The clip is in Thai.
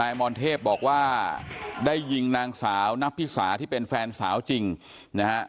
นายมรเทพบอกว่าได้ยิงนางสาวนับพิสาที่เป็นแฟนสาวจริงนะฮะ